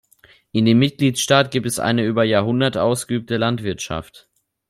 In dem Mitgliedstaat gibt es eine über Jahrhunderte ausgeübte Landwirtschaft.